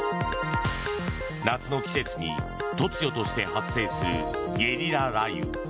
夏の季節に突如として発生するゲリラ雷雨。